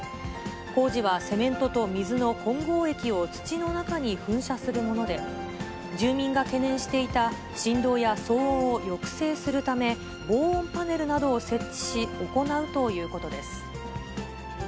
工事はセメントと水の混合液を土の中に噴射するもので、住民が懸念していた振動や騒音を抑制するため、防音パネルなどを設置し、行うということです。